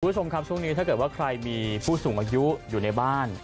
คุณผู้ชมครับช่วงนี้ถ้าเกิดว่าใครมีผู้สูงอายุอยู่ในบ้าน